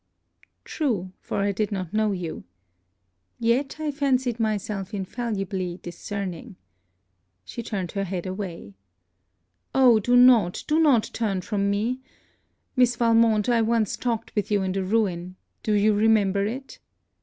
'True, for I did not know you. Yet, I fancied myself infallibly discerning.' She turned her head away. 'Oh do not, do not turn from me! Miss Valmont, I once talked with you in the Ruin Do you remember it?'